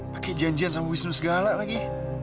pakai janjian sama wisnu segala lagi